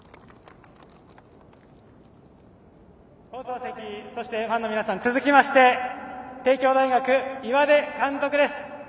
放送席、そしてファンの皆さん続きまして、帝京大学岩出監督です。